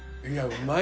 うまい。